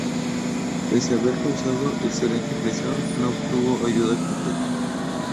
Pese a haber causado excelente impresión, no obtuvo ayuda concreta.